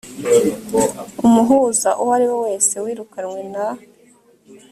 umuhuza uwo ari we wese wirukanywe na